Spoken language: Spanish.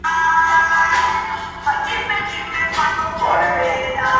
Se suicidó tras haber disparado a sus dos hijos, uno de los cuales murió.